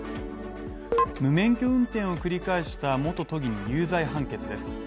無免許運転を繰り返した元都議に有罪判決です。